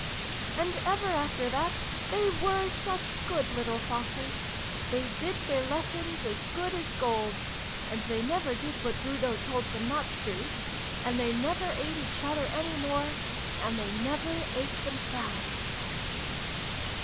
" And ever after that, they were such good little Foxes ! They did their lessons as good as gold and they never did what Bruno told them not to and they never ate each other any more and they never ate themselves